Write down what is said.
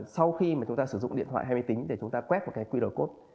sau khi chúng ta sử dụng điện thoại hay máy tính để quét mã qr code